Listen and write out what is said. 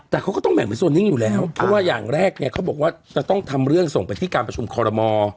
แต่เขาก็ต้องแบ่งเป็นโซนนิ่งอยู่แล้วเพราะว่าอย่างแรกเนี่ยเขาบอกว่าจะต้องทำเรื่องส่งไปที่การประชุมคอรมอ